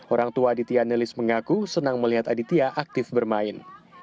orang tua aditya nelis mengaku senang melihat aditya aktif bermain